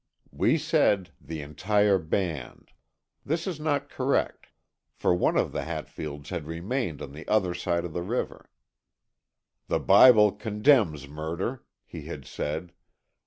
We said "the entire band." This is not correct. For one of the Hatfields had remained on the other side of the river. "The Bible condemns murder," he had said.